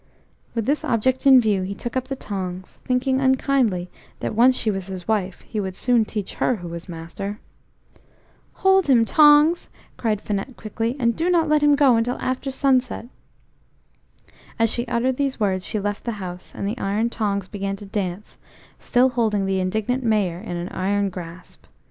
With this object in view he took up the tongs, thinking unkindly that once she was his wife, he would soon teach her who was master. "Hold him, tongs," cried Finette quickly, "and do not let him go until after sunset." As she uttered these words she left the house, and the iron tongs began to dance, still holding the indignant Mayor in an iron grasp.